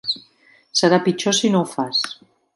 Serà pitjor si no ho fas.